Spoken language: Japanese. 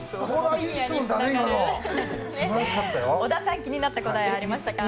織田さん、気になった答えありましたか？